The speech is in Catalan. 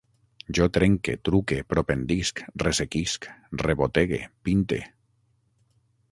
Jo trenque, truque, propendisc, ressequisc, rebotegue, pinte